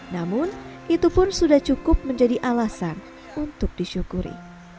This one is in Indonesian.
namun itu pun sudah cukup menjadi alasan untuk disyukuri